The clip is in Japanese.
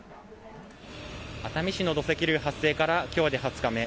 熱海市の土石流発生からきょうで２０日目。